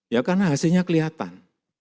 ya karena hasilnya kelihatan